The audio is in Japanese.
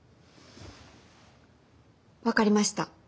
分かりました。